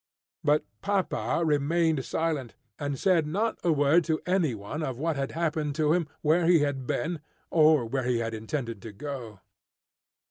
But papa remained silent, and said not a word to any one of what had happened to him, where he had been, or where he had intended to go.